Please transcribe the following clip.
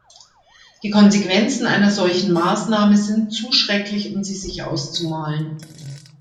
Die Konsequenzen einer solchen Maßnahme sind zu schrecklich, um sie sich auszumalen.